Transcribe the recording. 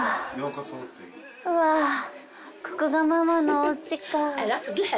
ここがママのおうちか。